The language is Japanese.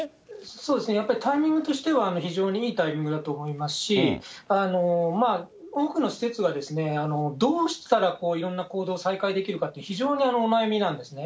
そうですね、やっぱり、タイミングとしては非常にいいタイミングだと思いますし、多くの施設はどうしたらいろんな行動を再開できるかって、非常にお悩みなんですね。